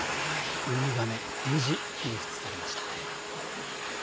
ウミガメ、無事救出されました。